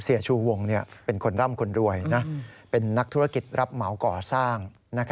ชูวงเป็นคนร่ำคนรวยเป็นนักธุรกิจรับเหมาก่อสร้าง